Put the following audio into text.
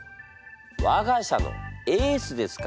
わが社のエースですから。